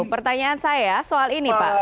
pertanyaan saya soal ini pak